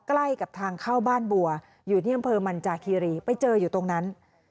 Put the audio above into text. ใกล้กับทางเข้าบ้านบัวอยู่ที่อำเภอมันจาคีรีไปเจออยู่ตรงนั้น